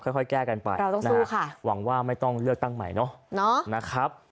ค่อยแก้กันไปนะฮะหวังว่าไม่ต้องเลือกตั้งใหม่เนาะนะครับ